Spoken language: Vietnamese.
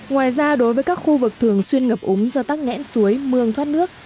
ngoài ra đối với các khu vực thường xuyên ngập úm do tắc nhẽn suối mương thoát nước